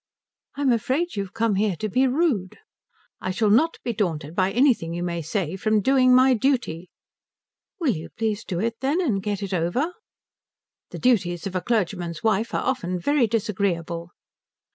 "I'm afraid you've come here to be rude." "I shall not be daunted by anything you may say from doing my duty." "Will you please do it, then, and get it over?" "The duties of a clergyman's wife are often very disagreeable."